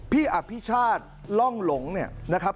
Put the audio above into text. พี่อภิชาศร่องหลงนะครับ